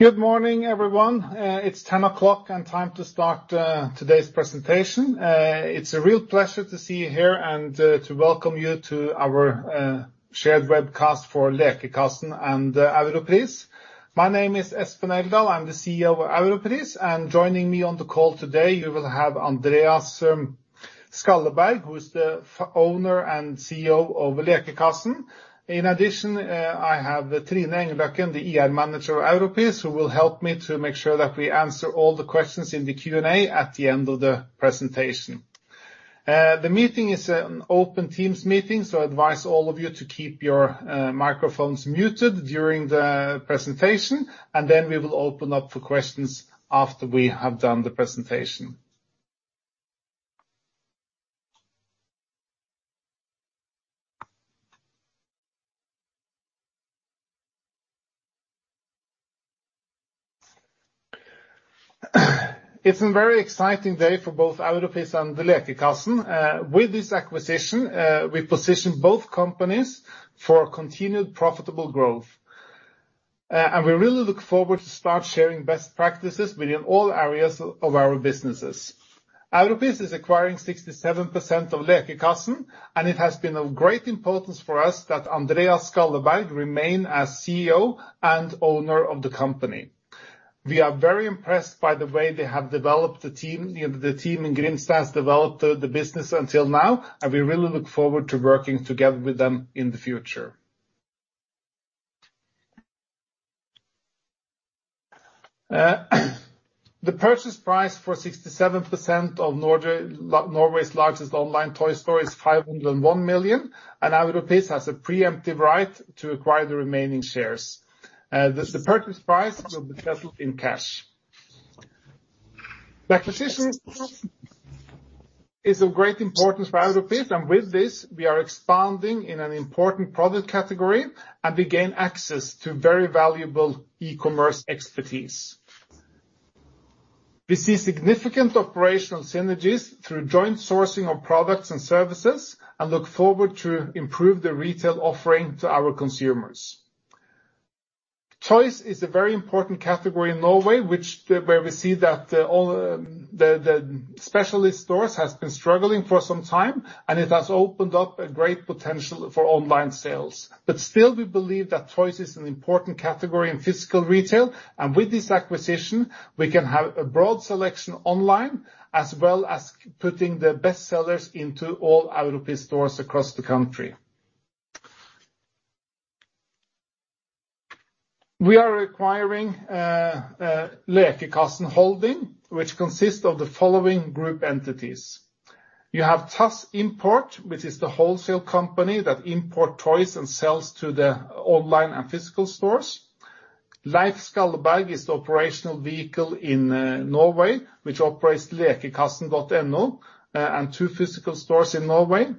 Good morning, everyone. It's 10:00 o'clock and time to start today's presentation. It's a real pleasure to see you here and to welcome you to our shared webcast for Lekekassen and Europris. My name is Espen Eldal. I'm the CEO of Europris, and joining me on the call today, we will have Andreas Skalleberg, who is the owner and CEO of Lekekassen. In addition, I have Trine Engløkken, the IR manager of Europris, who will help me to make sure that we answer all the questions in the Q&A at the end of the presentation. The meeting is an open Teams meeting, so I advise all of you to keep your microphones muted during the presentation, and then we will open up for questions after we have done the presentation. It's a very exciting day for both Europris and Lekekassen. With this acquisition, we position both companies for continued profitable growth. We really look forward to start sharing best practices within all areas of our businesses. Europris is acquiring 67% of Lekekassen, and it has been of great importance for us that Andreas Skalleberg remain as CEO and owner of the company. We are very impressed by the way they have developed the team, the team in Grimstad has developed the business until now, and we really look forward to working together with them in the future. The purchase price for 67% of Norway's largest online toy store is 501 million, and Europris has a preemptive right to acquire the remaining shares. The purchase price will be settled in cash. The acquisition is of great importance for Europris, and with this, we are expanding in an important product category and gain access to very valuable e-commerce expertise. We see significant operational synergies through joint sourcing of products and services and look forward to improve the retail offering to our consumers. Toys is a very important category in Norway, where we see that the specialist stores has been struggling for some time. It has opened up a great potential for online sales. Still, we believe that toys is an important category in physical retail. With this acquisition, we can have a broad selection online, as well as putting the best sellers into all Europris stores across the country. We are acquiring Lekekassen Holding, which consists of the following group entities. You have TAS Import, which is the wholesale company that import toys and sells to the online and physical stores. Leif Skalleberg is the operational vehicle in Norway, which operates lekekassen.no and two physical stores in Norway.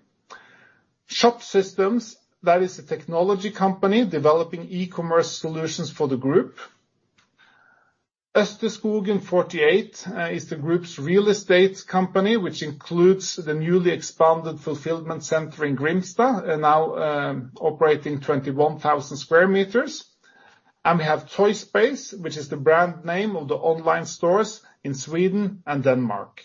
Shopsystem, that is a technology company developing e-commerce solutions for the group. Østerskogen 48 is the group's real estate company, which includes the newly expanded fulfillment center in Grimstad and now operating 21,000 sq m. We have ToySpace, which is the brand name of the online stores in Sweden and Denmark.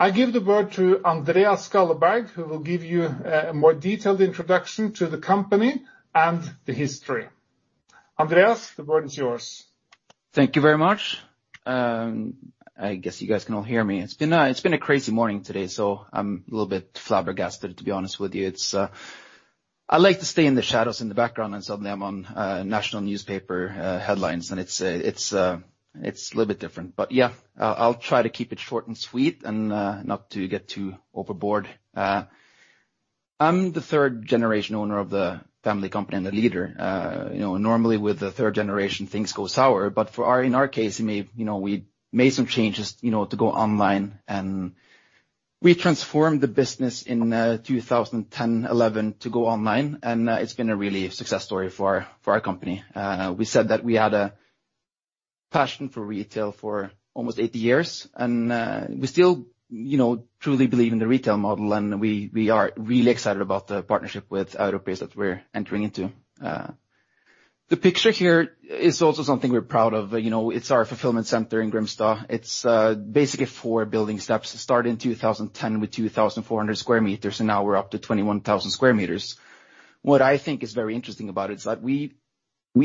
I give the word to Andreas Skalleberg, who will give you a more detailed introduction to the company and the history. Andreas, the word is yours. Thank you very much. I guess you guys can all hear me. It's been a crazy morning today, so I'm a little bit flabbergasted, to be honest with you. I like to stay in the shadows in the background and suddenly I'm on national newspaper headlines, and it's a little bit different. Yeah, I'll try to keep it short and sweet and not to get too overboard. I'm the third-generation owner of the family company and the leader. Normally with the third generation, things go sour. In our case, we made some changes to go online and we transformed the business in 2010/2011 to go online, and it's been a really success story for our company. We said that we had a passion for retail for almost 80 years, and we still truly believe in the retail model and we are really excited about the partnership with Europris that we're entering into. The picture here is also something we're proud of. It's our fulfillment center in Grimstad. It's basically four building steps. It started in 2010 with 2,400 sq m, and now we're up to 21,000 sq m. What I think is very interesting about it is that we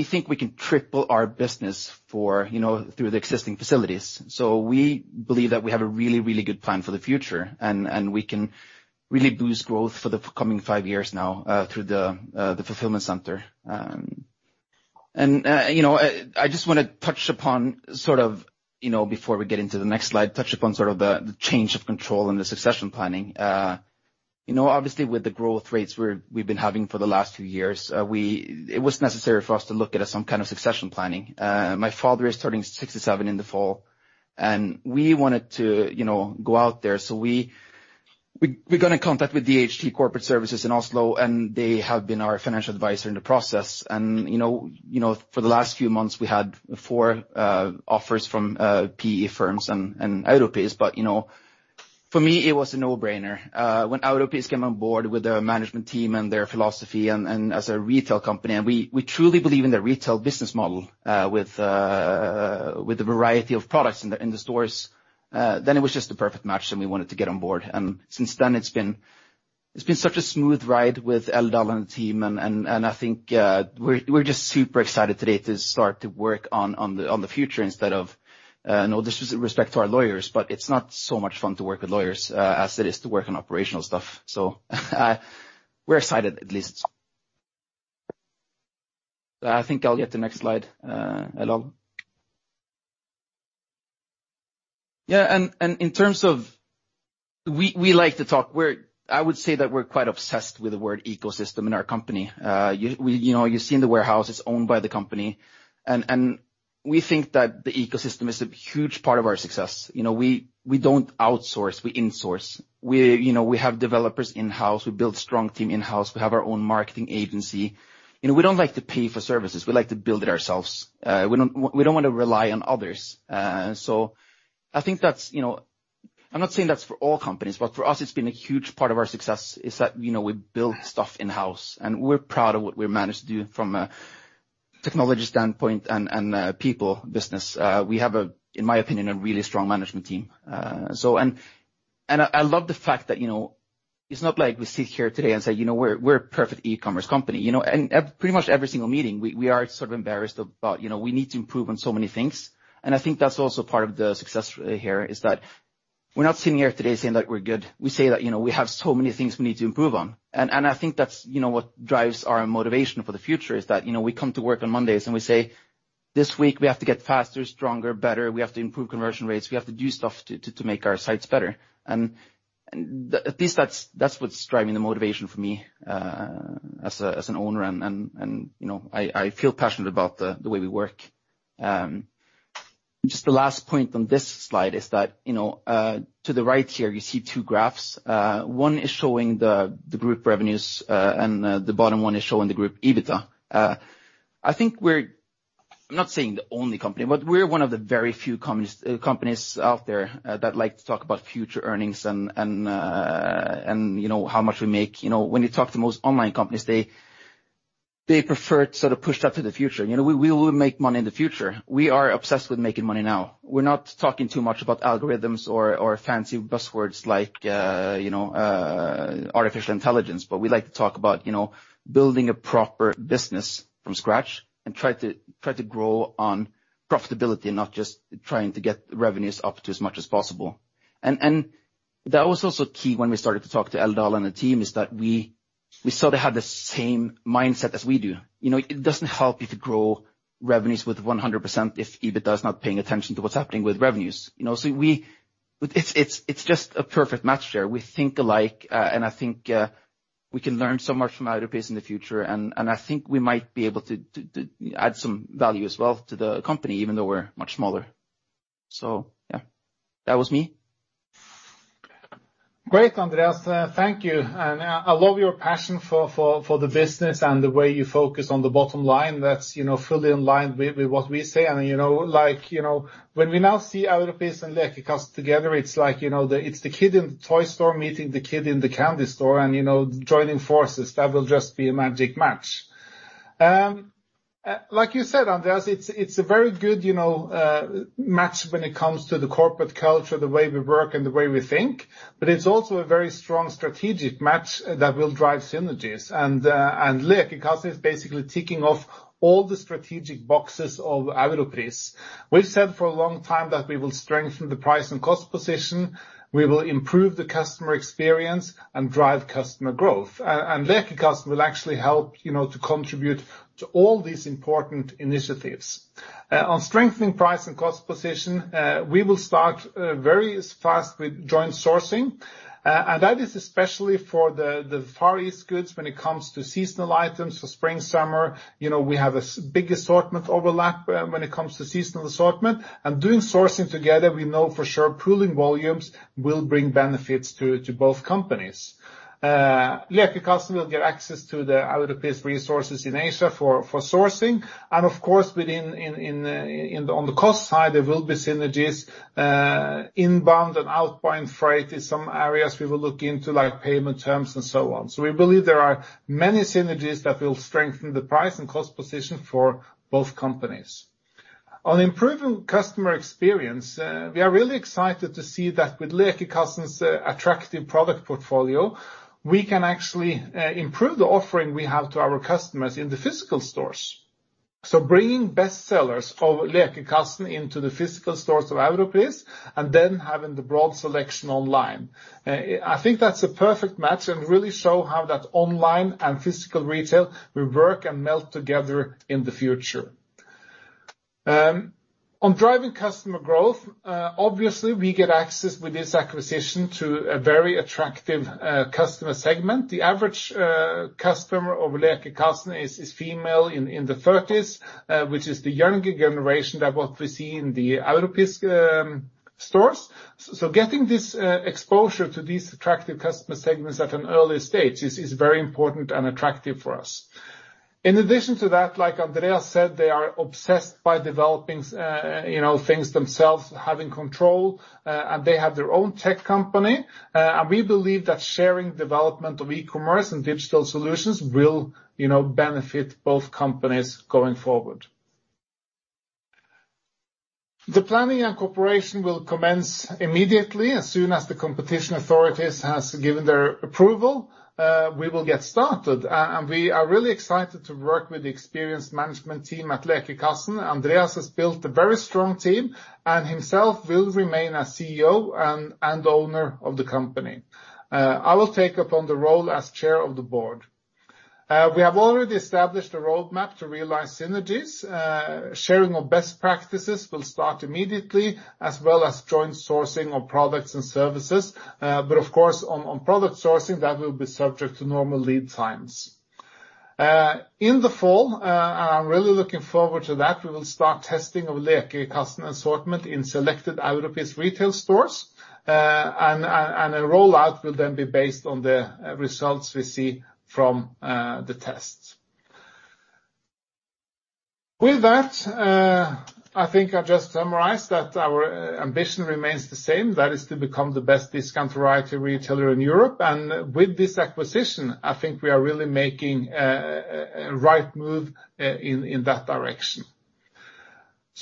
think we can triple our business through the existing facilities. We believe that we have a really, really good plan for the future, and we can really boost growth for the coming five years now through the fulfillment center. I just want to touch upon, before we get into the next slide, touch upon the change of control and the succession planning. Obviously, with the growth rates we've been having for the last few years, it was necessary for us to look at some kind of succession planning. My father is turning 67 in the fall, and we wanted to go out there. We got in contact with DHT Corporate Services in Oslo, and they have been our financial advisor in the process. For the last few months, we had four offers from PE firms and Europris. For me, it was a no-brainer. When Europris came on board with the management team and their philosophy, and as a retail company, and we truly believe in the retail business model with a variety of products in the stores, then it was just the perfect match, and we wanted to get on board. Since then, it's been such a smooth ride with Eldal and the team, and I think we're just super excited today to start to work on the future instead of. No disrespect to our lawyers, but it's not so much fun to work with lawyers as it is to work on operational stuff. We're excited at least. I think I'll get the next slide. Hello? Yeah. I would say that we're quite obsessed with the word ecosystem in our company. You see the warehouse is owned by the company, and we think that the ecosystem is a huge part of our success. We don't outsource, we insource. We have developers in-house. We build strong team in-house. We have our own marketing agency. We don't like to pay for services. We like to build it ourselves. We don't want to rely on others. I'm not saying that's for all companies, but for us, it's been a huge part of our success is that we build stuff in-house, and we're proud of what we've managed to do from a technology standpoint and a people business. We have, in my opinion, a really strong management team. I love the fact that it's not like we sit here today and say, "We're a perfect e-commerce company." In pretty much every single meeting, we are sort of embarrassed about we need to improve on so many things, and I think that's also part of the success here is that we're not sitting here today saying that we're good. We say that we have so many things we need to improve on. I think that's what drives our motivation for the future is that we come to work on Mondays and we say, "This week we have to get faster, stronger, better. We have to improve conversion rates. We have to do stuff to make our sites better." At least that's what's driving the motivation for me as an owner, and I feel passionate about the way we work. Just the last point on this slide is that to the right here, you see two graphs. One is showing the group revenues, and the bottom one is showing the group EBITDA. I think we're, I'm not saying the only company, but we're one of the very few companies out there that like to talk about future earnings and how much we make. When you talk to most online companies, they prefer to sort of push that to the future. We will make money in the future. We are obsessed with making money now. We're not talking too much about algorithms or fancy buzzwords like artificial intelligence, but we like to talk about building a proper business from scratch and try to grow on profitability, not just trying to get the revenues up to as much as possible. That was also key when we started to talk to Eldal and the team is that we saw they have the same mindset as we do. It doesn't help you to grow revenues with 100% if EBITDA is not paying attention to what's happening with revenues. It's just a perfect match there. We think alike, and I think we can learn so much from Europris in the future, and I think we might be able to add some value as well to the company, even though we're much smaller. Yeah, that was me. Great, Andreas. Thank you. I love your passion for the business and the way you focus on the bottom line. That's fully in line with what we say, and when we now see Europris and Lekekassen together, it's like the kid in the toy store meeting the kid in the candy store and joining forces. That will just be a magic match. Like you said, Andreas, it's a very good match when it comes to the corporate culture, the way we work, and the way we think, but it's also a very strong strategic match that will drive synergies. Lekekassen is basically ticking off all the strategic boxes of Europris. We've said for a long time that we will strengthen the price and cost position, we will improve the customer experience, and drive customer growth. Lekekassen will actually help to contribute to all these important initiatives. On strengthening price and cost position, we will start very fast with joint sourcing, and that is especially for the Far East goods when it comes to seasonal items for spring/summer. We have a big assortment overlap when it comes to seasonal assortment. Doing sourcing together, we know for sure pooling volumes will bring benefits to both companies. Lekekassen will get access to the Europris resources in Asia for sourcing, and of course on the cost side, there will be synergies. Inbound and outbound freight is some areas we will look into, like payment terms and so on. We believe there are many synergies that will strengthen the price and cost position for both companies. On improving customer experience, we are really excited to see that with Lekekassen's attractive product portfolio, we can actually improve the offering we have to our customers in the physical stores. Bringing bestsellers of Lekekassen into the physical stores of Europris and then having the broad selection online. I think that's a perfect match and really show how that online and physical retail will work and meld together in the future. On driving customer growth, obviously, we get access with this acquisition to a very attractive customer segment. The average customer of Lekekassen is female in the 30s, which is the younger generation that what we see in the Europris stores. Getting this exposure to these attractive customer segments at an early stage is very important and attractive for us. In addition to that, like Andreas said, they are obsessed by developing things themselves, having control, and they have their own tech company. We believe that sharing development of e-commerce and digital solutions will benefit both companies going forward. The planning and cooperation will commence immediately. As soon as the competition authorities have given their approval, we will get started. We are really excited to work with the experienced management team at Lekekassen. Andreas has built a very strong team and himself will remain as CEO and owner of the company. I will take up the role as chair of the board. We have already established a roadmap to realize synergies. Sharing of best practices will start immediately, as well as joint sourcing of products and services. Of course, on product sourcing, that will be subject to normal lead times. In the fall, I'm really looking forward to that, we will start testing of Lekekassen assortment in selected Europris retail stores, and a rollout will then be based on the results we see from the tests. With that, I think I'll just summarize that our ambition remains the same. That is to become the best discount variety retailer in Europe. With this acquisition, I think we are really making a right move in that direction.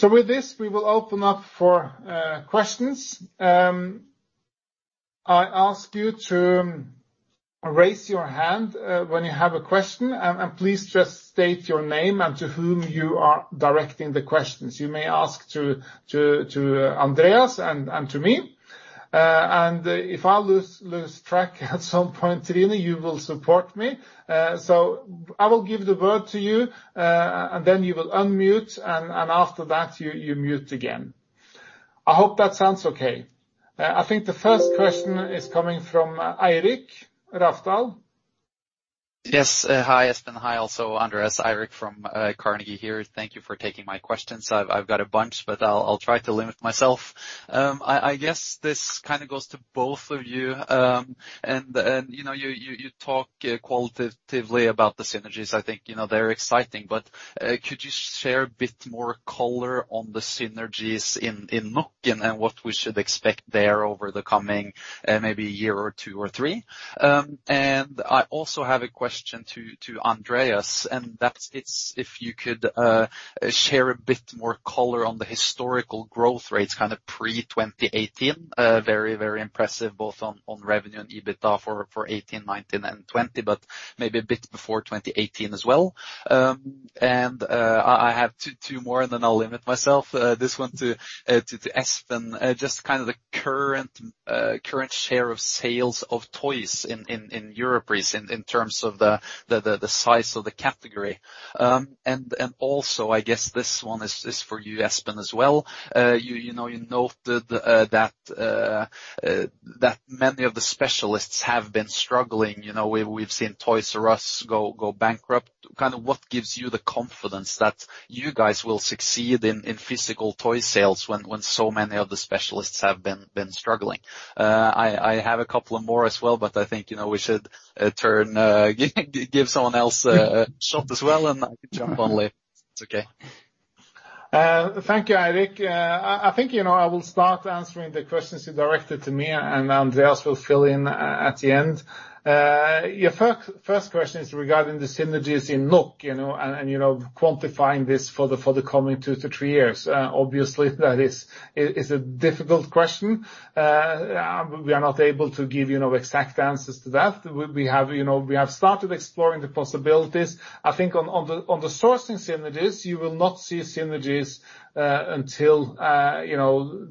With this, we will open up for questions. I ask you to raise your hand when you have a question, and please just state your name and to whom you are directing the questions. You may ask to Andreas and to me. If I lose track at some point, Trine, you will support me. I will give the word to you, and then you will unmute, and after that you mute again. I hope that sounds okay. I think the first question is coming from Eirik Rafdal. Yes. Hi, Espen. Hi, also Andreas. Eirik from Carnegie here. Thank you for taking my questions. I've got a bunch, but I'll try to limit myself. I guess this kind of goes to both of you. You talk qualitatively about the synergies. I think they're exciting, but could you share a bit more color on the synergies in NOK and what we should expect there over the coming maybe year or two or three? I also have a question to Andreas, and that is if you could share a bit more color on the historical growth rates kind of pre-2018. Very impressive both on revenue and EBITDA for 2018, 2019, and 2020, but maybe a bit before 2018 as well. I have two more, and then I'll limit myself. This one to Espen, just kind of the current share of sales of toys in Europris in terms of the size of the category. Also, I guess this one is for you, Espen, as well. You noted that many of the specialists have been struggling. We've seen Toys R Us go bankrupt. What gives you the confidence that you guys will succeed in physical toy sales when so many other specialists have been struggling? I had a couple of more as well, but I think we should give someone else a shot as well, and I can jump on later if it's okay. Thank you, Eirik. I think, I will start answering the questions you directed to me. Andreas will fill in at the end. Your first question is regarding the synergies in NOK. Quantifying this for the coming two to three years. Obviously, that is a difficult question. We are not able to give exact answers to that. We have started exploring the possibilities. I think on the sourcing synergies, you will not see synergies until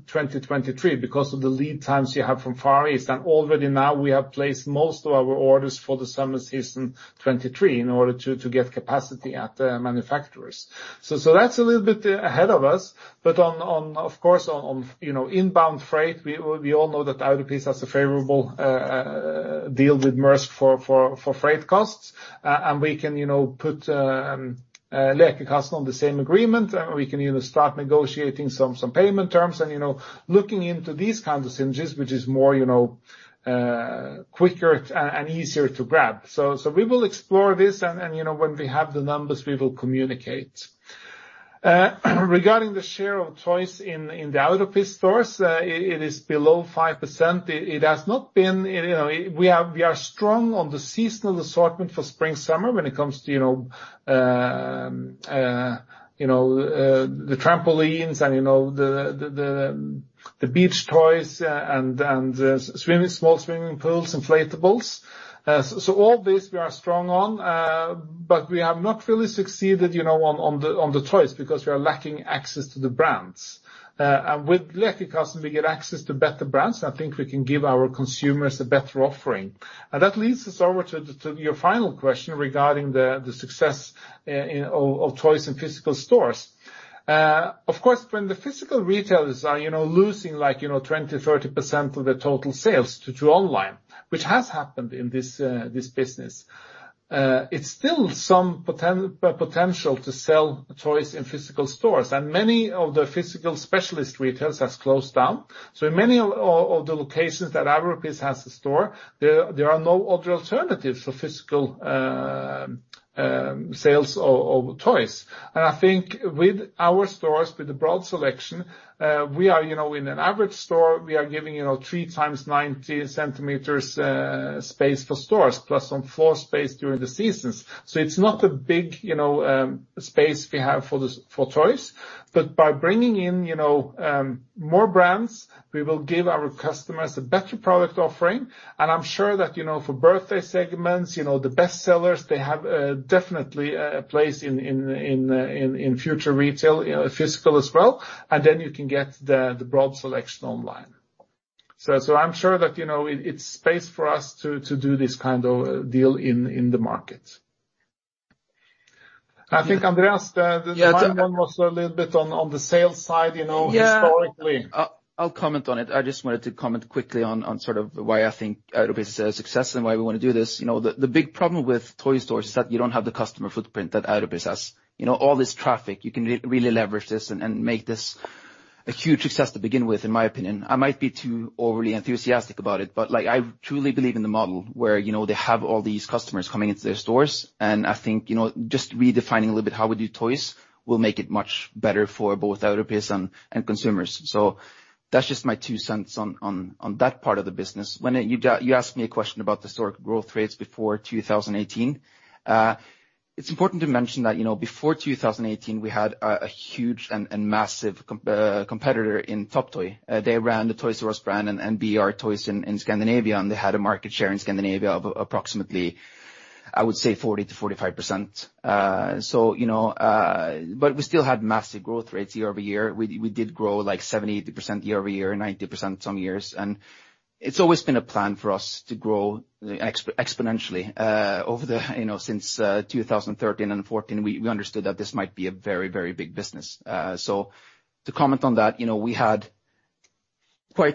2023 because of the lead times you have from Far East. Already now we have placed most of our orders for the summer season 2023 in order to get capacity at the manufacturers. That's a little bit ahead of us. Of course, on inbound freight, we all know that Europris has a favorable deal with Maersk for freight costs, we can put Lekekassen on the same agreement, we can even start negotiating some payment terms and looking into these kinds of synergies, which is more quicker and easier to grab. We will explore this, when we have the numbers, we will communicate. Regarding the share of toys in the Europris stores, it is below 5%. We are strong on the seasonal assortment for spring/summer when it comes to the trampolines and the beach toys and the small swimming pools, inflatables. All this we are strong on, we have not really succeeded on the toys because we are lacking access to the brands. With Lekekassen, we get access to better brands, I think we can give our consumers a better offering. That leads us over to your final question regarding the success of toys in physical stores. Of course, when the physical retailers are losing 20%-30% of their total sales to online, which has happened in this business, it's still some potential to sell toys in physical stores. Many of the physical specialist retailers have closed down. In many of the locations that Europris has a store, there are no other alternatives for physical sales of toys. I think with our stores, with the broad selection, in an average store, we are giving three times 90 cm space for stores plus some floor space during the seasons. It's not a big space we have for toys. By bringing in more brands, we will give our customers a better product offering, and I'm sure that for birthday segments, the best sellers, they have definitely a place in future retail, physical as well, and then you can get the broad selection online. I'm sure that it's space for us to do this kind of deal in the market. I think, Andreas, the item also a little bit on the sales side, historically. Yeah. I'll comment on it. I just wanted to comment quickly on sort of why I think Europris is a success and why we want to do this. The big problem with toy stores is that you don't have the customer footprint that Europris has. All this traffic, you can really leverage this and make this a huge success to begin with, in my opinion. I might be too already enthusiastic about it, but I truly believe in the model where they have all these customers coming into their stores, and I think just redefining a little bit how we do toys will make it much better for both Europris and consumers. That's just my two cents on that part of the business. When you asked me a question about historic growth rates before 2018, it's important to mention that before 2018, we had a huge and massive competitor in Top-Toy. They ran the Toys R Us and BR Toys in Scandinavia, and they had a market share in Scandinavia of approximately, I would say, 40%-45%. We still had massive growth rates year-over-year. We did grow 70%, 80% year-over-year, 90% some years. It's always been a plan for us to grow exponentially since 2013 and 2014, we understood that this might be a very, very big business. To comment on that, we're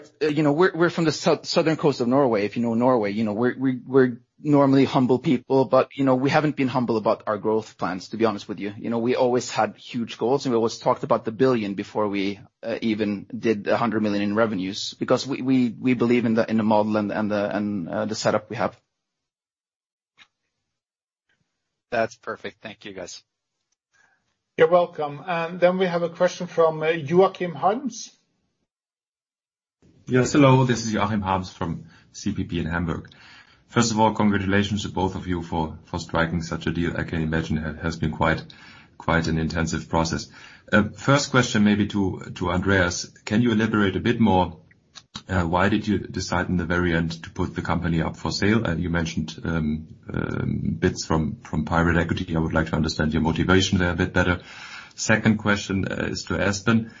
from the southern coast of Norway. If you know Norway, we're normally humble people, but we haven't been humble about our growth plans, to be honest with you. We always had huge goals, and we always talked about the 1 billion before we even did the 100 million in revenues because we believe in the model and the setup we have. That's perfect. Thank you, guys. You're welcome. Then we have a question from Joachim Harms. Yes, hello, this is Joachim Harms from CPP in Hamburg. First of all, congratulations to both of you for striking such a deal. I can imagine it has been quite an intensive process. First question maybe to Andreas. Can you elaborate a bit more, why did you decide in the very end to put the company up for sale? You mentioned bits from private equity. I would like to understand your motivation there a bit better. Second question is to Espen.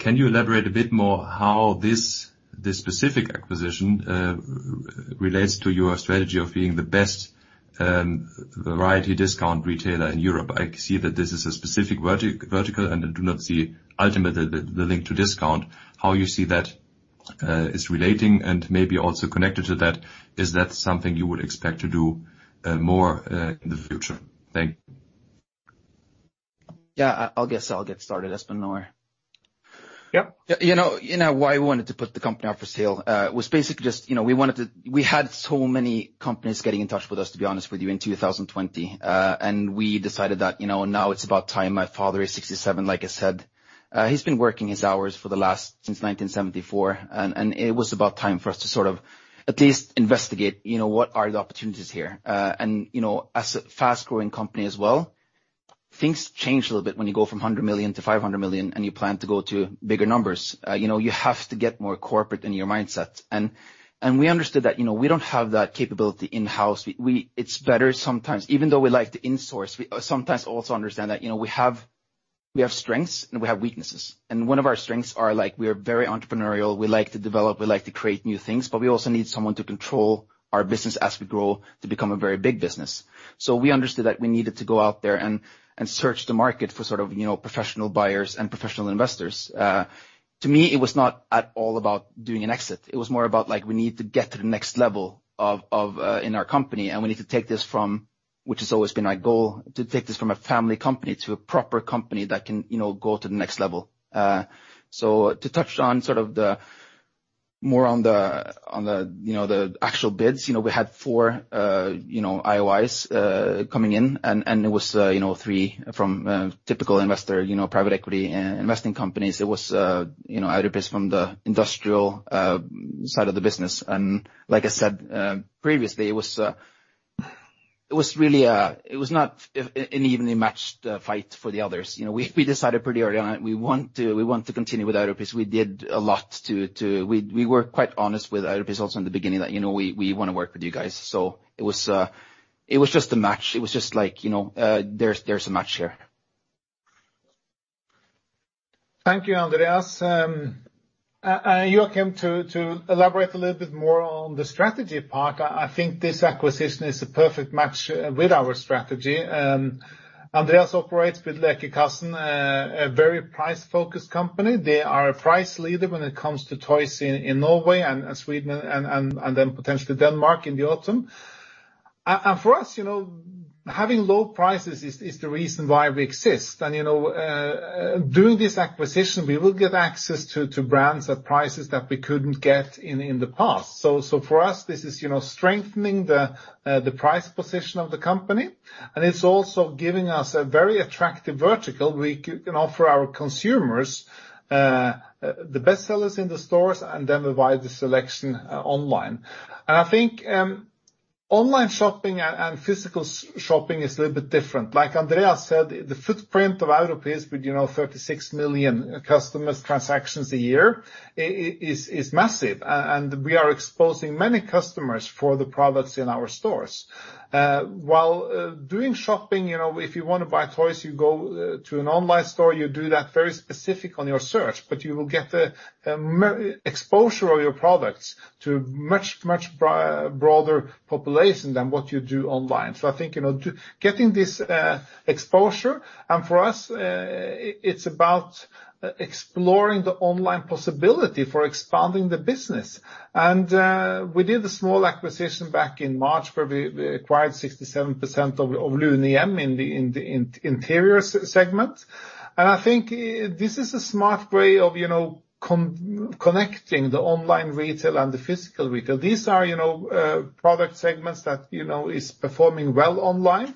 Can you elaborate a bit more how this specific acquisition relates to your strategy of being the best variety discount retailer in Europe? I see that this is a specific vertical, and I do not see ultimately the link to discount, how you see that is relating and maybe also connected to that, is that something you would expect to do more in the future? Thank you. I'll guess I'll get started, Espen, don't worry. Yep. Why I wanted to put the company up for sale was basically just we had so many companies getting in touch with us, to be honest with you, in 2020. We decided that now it's about time. My father is 67, like I said. He's been working his hours since 1974, it was about time for us to sort of at least investigate what are the opportunities here. As a fast-growing company as well, things change a little bit when you go from 100 million to 500 million and you plan to go to bigger numbers. You have to get more corporate in your mindset. We understood that we don't have that capability in-house. It's better sometimes, even though we like to insource, we sometimes also understand that we have strengths and we have weaknesses. One of our strengths are we're very entrepreneurial, we like to develop, we like to create new things, but we also need someone to control our business as we grow to become a very big business. We understood that we needed to go out there and search the market for professional buyers and professional investors. To me, it was not at all about doing an exit. It was more about we need to get to the next level in our company, and we need to take this from, which has always been our goal, to take this from a family company to a proper company that can go to the next level. To touch on more on the actual bids, we had 4 IOIs coming in, and it was 3 from a typical investor, private equity and investing companies. It was Europris from the industrial side of the business. Like I said previously, it was not an evenly matched fight for the others. We decided pretty early on we want to continue with Europris. We were quite honest with Europris also in the beginning that we want to work with you guys. It was just a match. It was just like there's a match here. Thank you, Andreas. Joachim, to elaborate a little bit more on the strategy part, I think this acquisition is a perfect match with our strategy. Andreas operates with Lekekassen, a very price-focused company. They are a price leader when it comes to toys in Norway and Sweden and then potentially Denmark in the autumn. For us, having low prices is the reason why we exist. Through this acquisition, we will get access to brands at prices that we couldn't get in the past. For us, this is strengthening the price position of the company, and it's also giving us a very attractive vertical. We can offer our consumers the best sellers in the stores, and then they buy the selection online. I think online shopping and physical shopping is a little bit different. Andreas said, the footprint of Europris with 36 million customer transactions a year is massive. We are exposing many customers for the products in our stores. While doing shopping, if you want to buy toys, you go to an online store, you do that very specific on your search. You will get the exposure of your products to much broader population than what you do online. I think, getting this exposure, for us, it's about exploring the online possibility for expanding the business. We did a small acquisition back in March where we acquired 67% of Lunehjem in the interior segment. I think this is a smart way of connecting the online retail and the physical retail. These are product segments that is performing well online.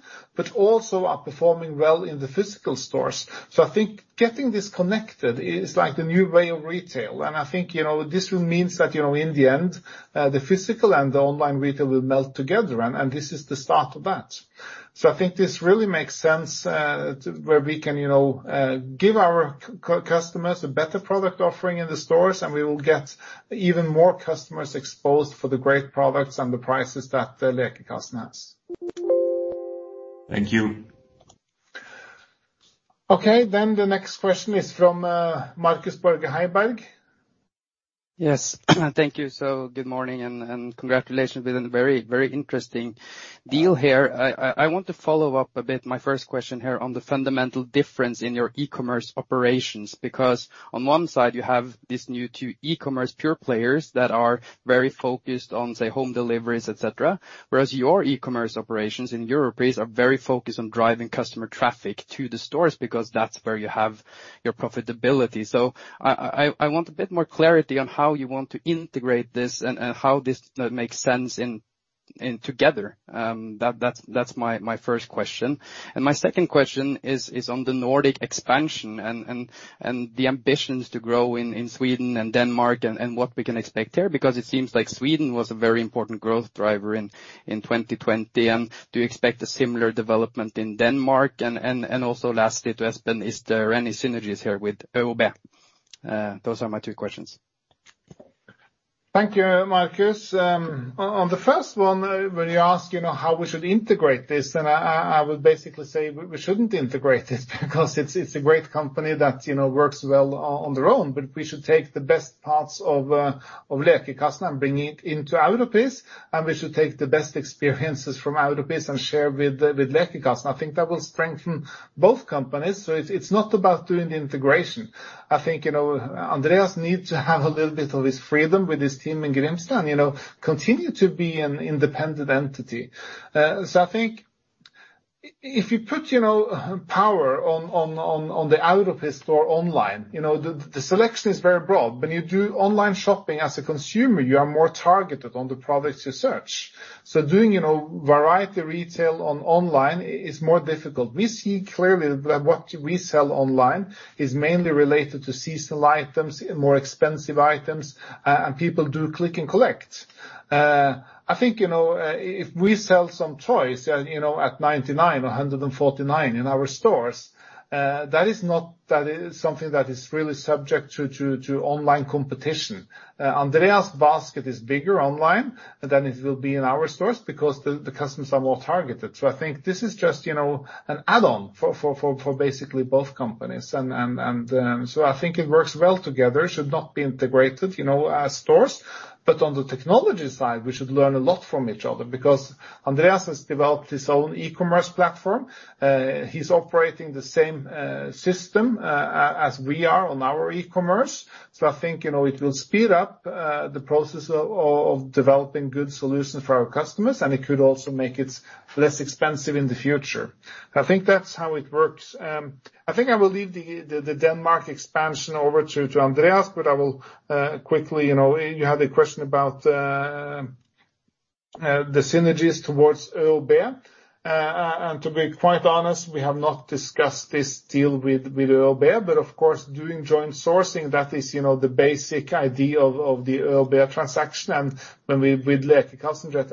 Also are performing well in the physical stores. I think getting this connected is like the new way of retail, and I think this means that in the end, the physical and the online retail will melt together and this is the start of that. I think this really makes sense where we can give our customers a better product offering in the stores, and we will get even more customers exposed for the great products and the prices that Lekekassen has. Thank you. Okay. The next question is from Markus Borge Heiberg. Yes. Thank you. Good morning and congratulations on a very, very interesting deal here. I want to follow up a bit my first question here on the fundamental difference in your e-commerce operations, because on one side you have these new two e-commerce pure players that are very focused on, say, home deliveries, et cetera. Whereas your e-commerce operations in Europris is very focused on driving customer traffic to the stores because that's where you have your profitability. I want a bit more clarity on how you want to integrate this and how this makes sense together. That's my first question. My second question is on the Nordic expansion and the ambitions to grow in Sweden and Denmark and what we can expect there, because it seems like Sweden was a very important growth driver in 2020. Do you expect a similar development in Denmark? Also lastly, Espen, is there any synergies here with ÖoB? Those are my two questions. Thank you, Markus. On the first one, when you ask how we should integrate this, I would basically say we shouldn't integrate it because it's a great company that works well on their own. We should take the best parts of Lekekassen and bring it into Europris, and we should take the best experiences from Europris and share with Lekekassen. I think that will strengthen both companies. It's not about doing the integration. I think Andreas needs to have a little bit of his freedom with his team in Grimstad continue to be an independent entity. I think if you put power on the Europris store online, the selection is very broad. When you do online shopping as a consumer, you are more targeted on the products you search. Doing variety retail on online is more difficult. We see clearly that what we sell online is mainly related to seasonal items and more expensive items, and people do click and collect. I think if we sell some toys at 99, 149 in our stores, that is not something that is really subject to online competition. Andreas' basket is bigger online than it will be in our stores because the customers are more targeted. I think this is just an add-on for basically both companies. I think it works well together. It should not be integrated as stores, but on the technology side, we should learn a lot from each other because Andreas has developed his own e-commerce platform. He's operating the same system as we are on our e-commerce. I think it will speed up the process of developing good solutions for our customers, and it could also make it less expensive in the future. I think that's how it works. I think I will leave the Denmark expansion over to Andreas. You had a question about the synergies towards ÖoB. To be quite honest, we have not discussed this deal with ÖoB. Of course, doing joint sourcing, that is the basic idea of the ÖoB transaction, and with Lekekassen, that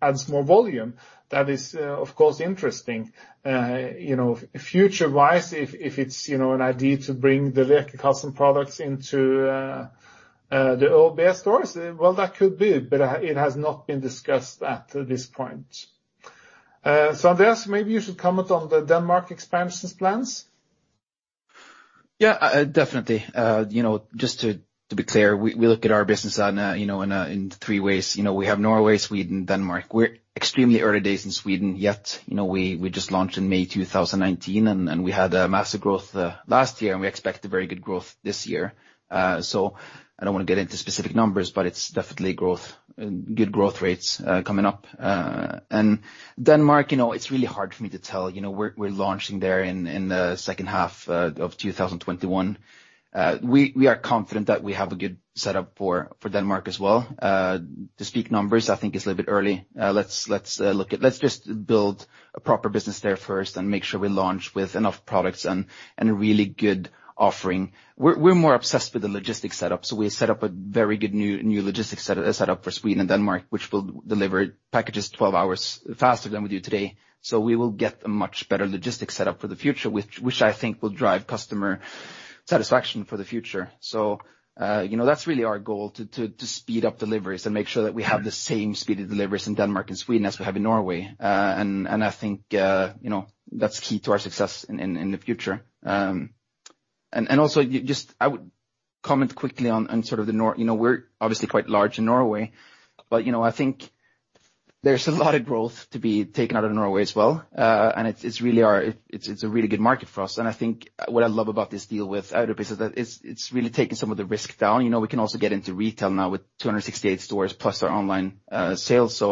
adds more volume. That is, of course, interesting. Future-wise, if it's an idea to bring the Lekekassen products into the ÖoB stores, well, that could be, but it has not been discussed at this point. Andreas, maybe you should comment on the Denmark expansion plans. Definitely. Just to be clear, we look at our business in three ways. We have Norway, Sweden, Denmark. We're extremely early days in Sweden, yet we just launched in May 2019, and we had a massive growth last year, and we expect a very good growth this year. I don't want to get into specific numbers, but it's definitely good growth rates coming up. Denmark, it's really hard for me to tell. We're launching there in the second half of 2021. We are confident that we have a good setup for Denmark as well. To speak numbers, I think it's a bit early. Let's just build a proper business there first and make sure we launch with enough products and a really good offering. We're more obsessed with the logistics setup. We set up a very good new logistics setup for Sweden and Denmark, which will deliver packages 12 hours faster than we do today. We will get a much better logistics setup for the future, which I think will drive customer satisfaction for the future. That's really our goal, to speed up deliveries and make sure that we have the same speed of deliveries in Denmark and Sweden as we have in Norway. I think that's key to our success in the future. Also, just I would comment quickly on sort of the We're obviously quite large in Norway, but I think there's a lot of growth to be taken out of Norway as well, and it's a really good market for us. I think what I love about this deal with Europris is that it's really taking some of the risk down. We can also get into retail now with 268 stores plus our online sales.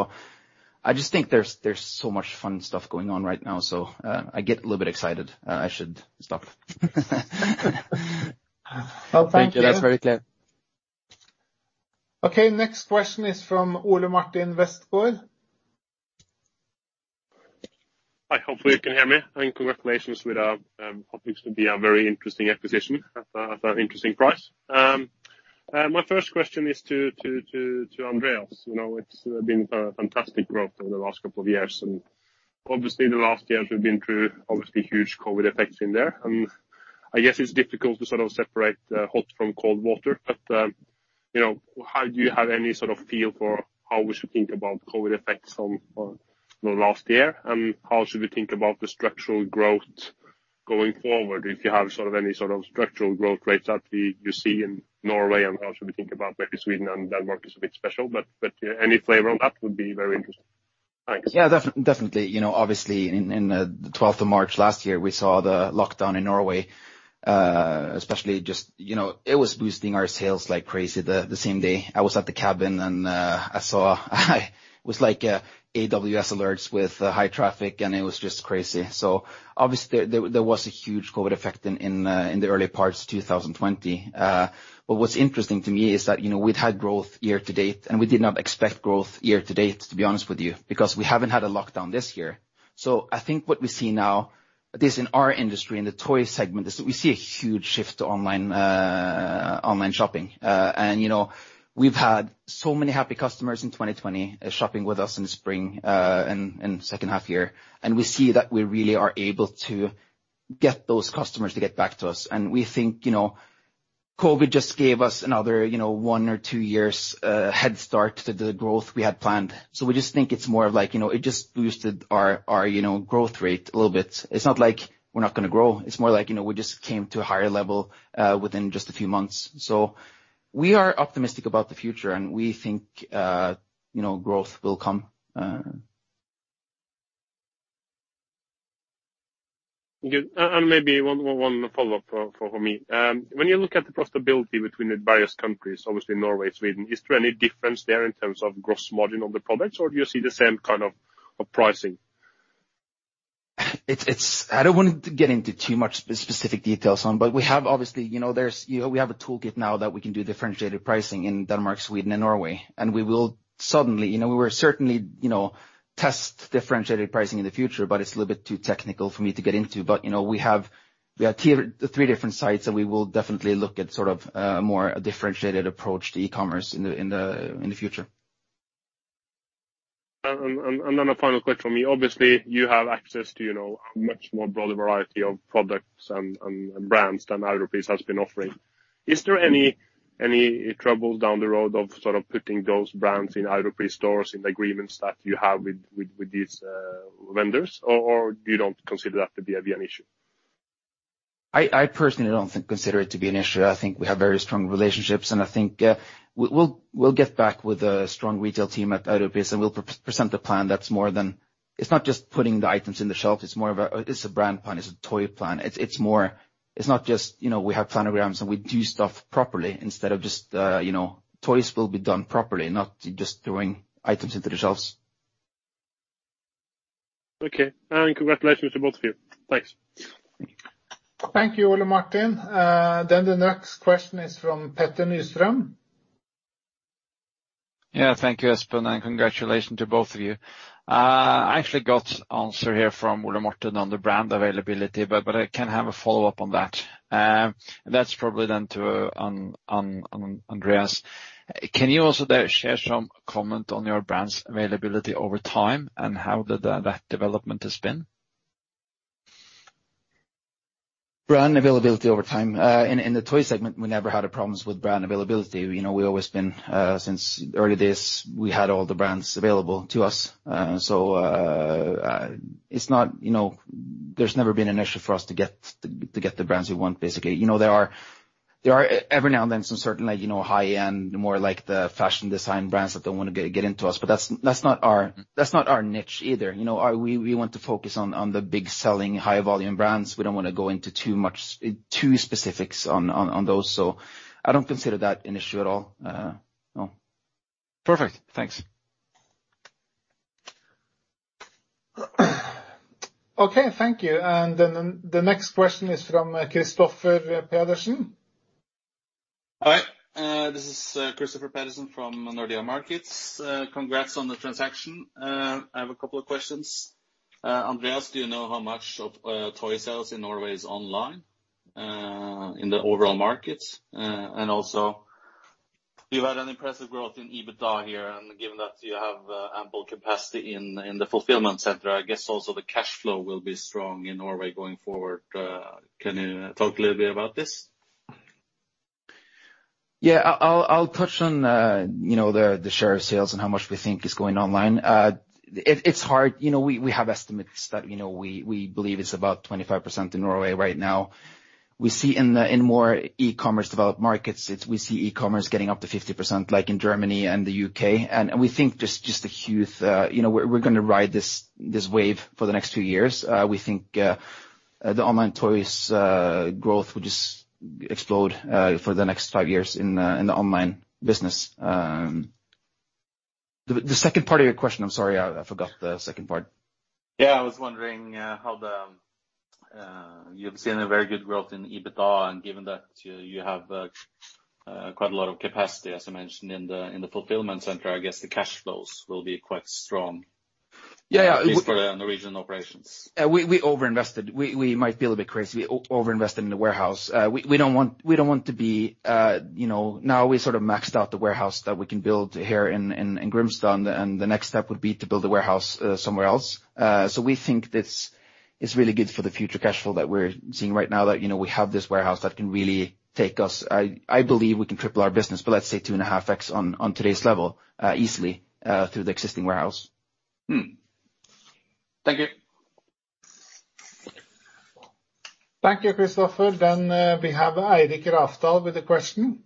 I just think there's so much fun stuff going on right now, so I get a little bit excited. I should stop. Well, thank you. Thank you. That is very clear. Okay, next question is from Ole Martin Westgaard. I hope you can hear me, and congratulations with a hoping to be a very interesting acquisition at that interesting price. My first question is to Andreas. It's been a fantastic growth in the last couple of years, and obviously the last years we've been through obviously huge COVID effects in there. I guess it's difficult to sort of separate the hot from cold water, but do you have any sort of feel for how we should think about COVID effects from the last year, and how should we think about the structural growth going forward? If you have any sort of structural growth rates that you see in Norway and how should we think about maybe Sweden and Denmark is a bit special, but any flavor on that would be very interesting. Thanks. Yeah, definitely. Obviously, in the 12th of March last year, we saw the lockdown in Norway, especially just, it was boosting our sales like crazy the same day. I was at the cabin, and I saw it was like AWS alerts with high traffic, and it was just crazy. Obviously, there was a huge COVID effect in the early parts of 2020. What's interesting to me is that we've had growth year to date, and we did not expect growth year to date, to be honest with you, because we haven't had a lockdown this year. I think what we see now, at least in our industry, in the toy segment, is that we see a huge shift to online shopping. We've had so many happy customers in 2020 shopping with us in spring and second half year, and we see that we really are able to get those customers to get back to us. We think COVID just gave us another one to two years head start to the growth we had planned. We just think it's more of like it just boosted our growth rate a little bit. It's not like we're not going to grow. It's more like we just came to a higher level within just a few months. We are optimistic about the future, and we think growth will come. Good. Maybe one follow-up for me. When you look at the profitability between the various countries, obviously Norway, Sweden, is there any difference there in terms of gross margin on the products, or do you see the same kind of pricing? I don't want to get into too much specific details on, but we have obviously, we have a toolkit now that we can do differentiated pricing in Denmark, Sweden, and Norway. We will certainly test differentiated pricing in the future, but it's a little bit too technical for me to get into. We have three different sites, and we will definitely look at sort of more a differentiated approach to e-commerce in the future. Then a final question for me. Obviously, you have access to a much more broader variety of products and brands than Europris has been offering. Is there any trouble down the road of sort of putting those brands in Europris stores in agreements that you have with these vendors, or you don't consider that to be a big issue? I personally don't consider it to be an issue. I think we have very strong relationships. I think we'll get back with a strong retail team at Europris. We'll present a plan that's more than, it's not just putting the items on the shelf, it's a brand plan, it's a toy plan. It's not just we have time around. We do stuff properly. Toys will be done properly, not just throwing items into the shelves. Okay. Congratulations to both of you. Thanks. Thank you, Ole Martin. The next question is from Petter Nystrøm. Yeah. Thank you, Espen, and congratulations to both of you. I actually got answer here from Ole Martin on the brand availability, but I can have a follow-up on that. That's probably then to Andreas. Can you also there share some comment on your brand's availability over time and how that development has been? Brand availability over time. In the toy segment, we never had problems with brand availability. We always been, since early days, we had all the brands available to us. There's never been an issue for us to get the brands we want, basically. There are every now and then some certain high-end, more like the fashion design brands that want to get into us, but that's not our niche either. We want to focus on the big selling high volume brands. We don't want to go into too specifics on those. I don't consider that an issue at all. No. Perfect. Thanks. Okay. Thank you. The next question is from Kristoffer Pedersen. Hi, this is Kristoffer Pedersen from Nordea Markets. Congrats on the transaction. I have two questions. Andreas, do you know how much of toy sales in Norway is online in the overall market? Also you had an impressive growth in EBITDA here, and given that you have ample capacity in the fulfillment center, I guess also the cash flow will be strong in Norway going forward. Can you talk a little bit about this? Yeah, I'll touch on the share of sales and how much we think is going online. It's hard. We have estimates that we believe it's about 25% in Norway right now. We see in more e-commerce developed markets, we see e-commerce getting up to 50%, like in Germany and the U.K. We think there's just a huge We're going to ride this wave for the next few years. We think the online toys growth will just explode for the next five years in the online business. The second part of your question, I'm sorry, I forgot the second part. Yeah, I was wondering. You've seen a very good growth in EBITDA, and given that you have quite a lot of capacity, as I mentioned in the fulfillment center, I guess the cash flows will be quite strong at least for the regional operations. We over-invested. We might build it crazy. We over-invested in the warehouse. Now we sort of maxed out the warehouse that we can build here in Grimstad. The next step would be to build a warehouse somewhere else. We think it's really good for the future cash flow that we're seeing right now that we have this warehouse that can really take us. I believe we can triple our business, but let's say 2.5x on today's level, easily, through the existing warehouse. Thank you. Thank you, Kristoffer. We have Eirik Rafdal with a question.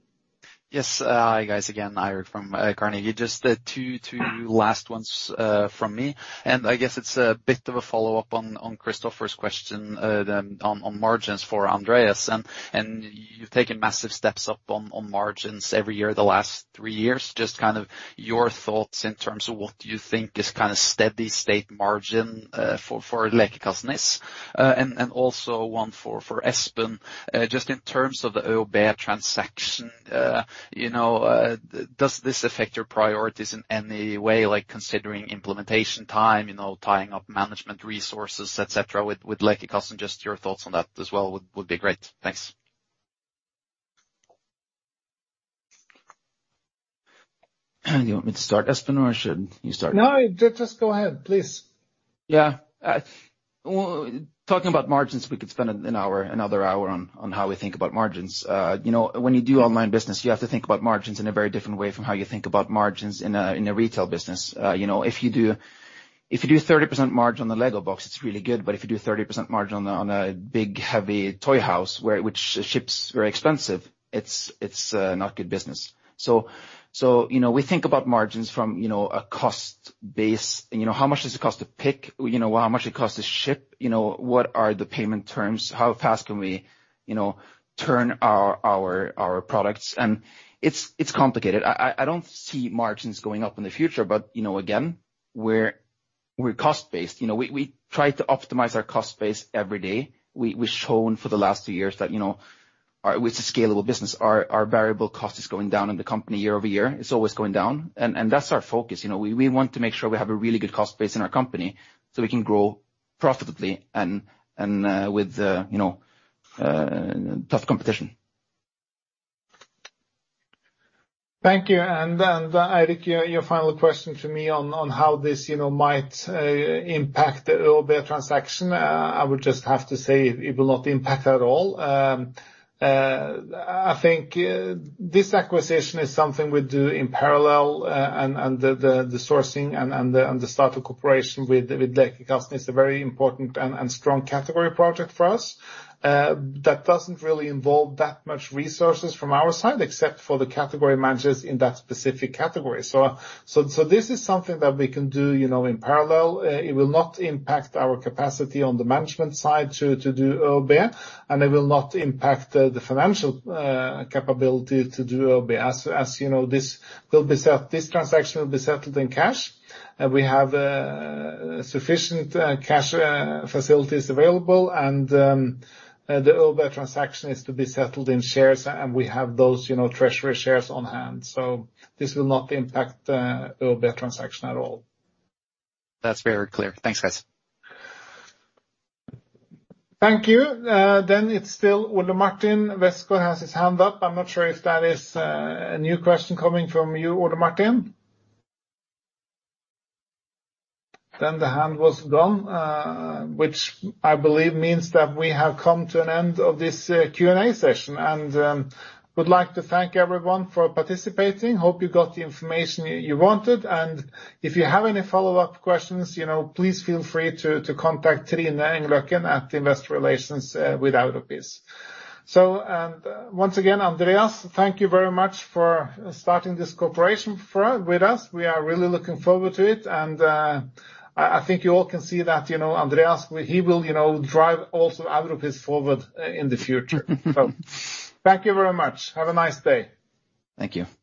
Yes, hi guys again, Eirik from Carnegie. Just the two last ones from me, and I guess it's a bit of a follow-up on Kristoffer's question on margins for Andreas, and you've taken massive steps up on margins every year the last three years. Just kind of your thoughts in terms of what you think is kind of steady state margin for Lekekassen, and also one for Espen, just in terms of the ÖoB transaction, does this affect your priorities in any way, like considering implementation time, tying up management resources, et cetera, with Lekekassen, just your thoughts on that as well would be great. Thanks. You want me to start, Espen, or should you start? No, just go ahead, please. Yeah. Talking about margins, we could spend another hour on how we think about margins. When you do online business, you have to think about margins in a very different way from how you think about margins in a retail business. If you do 30% margin on a LEGO box, it's really good. If you do 30% margin on a big, heavy toy house, which ships very expensive, it's not good business. We think about margins from a cost base. How much does it cost to pick? How much it costs to ship? What are the payment terms? How fast can we turn our products? It's complicated. I don't see margins going up in the future, but again, we're cost-based. We try to optimize our cost base every day. We've shown for the last few years that with the scalable business, our variable cost is going down in the company year-over-year. It's always going down. That's our focus. We want to make sure we have a really good cost base in our company so we can grow profitably and with tough competition. Thank you, Eirik, your final question to me on how this might impact the ÖoB transaction. I would just have to say it will not impact at all. I think this acquisition is something we do in parallel and the sourcing and the start of cooperation with Lekekassen is a very important and strong category project for us that doesn't really involve that much resources from our side except for the category managers in that specific category. This is something that we can do in parallel. It will not impact our capacity on the management side to do ÖoB, and it will not impact the financial capability to do ÖoB. As you know this transaction will be settled in cash, and we have sufficient cash facilities available, and the ÖoB transaction is to be settled in shares, and we have those treasury shares on hand. This will not impact the ÖoB transaction at all. That's very clear. Thanks, guys. Thank you. It's still Ole Martin Westgaard has his hand up. I'm not sure if that is a new question coming from you, Ole Martin. The hand was gone, which I believe means that we have come to an end of this Q&A session and would like to thank everyone for participating. Hope you got the information you wanted, and if you have any follow-up questions, please feel free to contact Trine Engløkken at Investor Relations with Europris. Once again, Andreas, thank you very much for starting this cooperation with us. We are really looking forward to it, and I think you all can see that Andreas, he will drive also Europris forward in the future. Thank you very much. Have a nice day. Thank you.